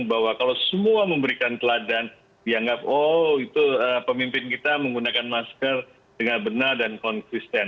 bahwa kalau semua memberikan teladan dianggap oh itu pemimpin kita menggunakan masker dengan benar dan konsisten